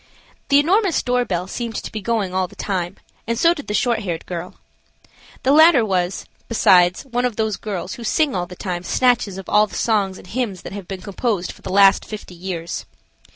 The enormous door bell seemed to be going all the time, and so did the short haired girl. The latter was, besides, one of those girls who sing all the time snatches of all the songs and hymns that have been composed for the last fifty years.